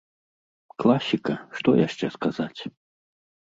Класіка, што яшчэ сказаць.